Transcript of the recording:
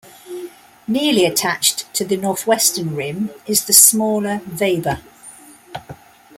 Nearly attached to the northwestern rim is the smaller Weber.